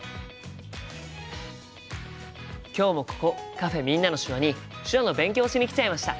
今日もここカフェ「みんなの手話」に手話の勉強をしに来ちゃいました。